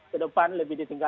kedepan lebih disikapkan